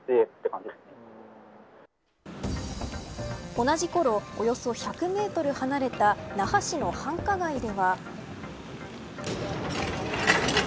同じころおよそ１００メートル離れた那覇市の繁華街では。